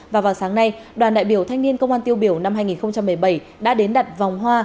và vào sáng nay đoàn đại biểu thanh niên công an tiêu biểu năm hai nghìn một mươi bảy đã đến đặt vòng hoa